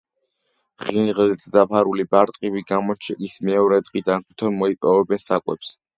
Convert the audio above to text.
ღინღლით დაფარული ბარტყები გამოჩეკის მეორე დღიდან თვითონ მოიპოვებენ საკვებს.